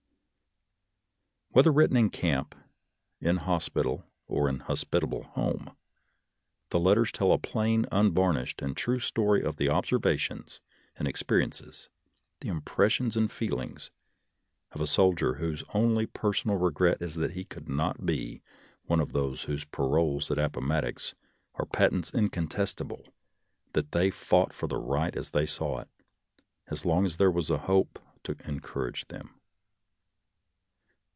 Whether written in camp, in hospital, or in hospitable home, the letters tell a plain, unvar nished, and true story of the observations and experiences, the impressions and feelings, of a soldier whose only personal regret is that he could not be one of those whose paroles at Ap pomattox are patents incontestable that they fought for the right as they saw it, as long as there was a hope to encourage them.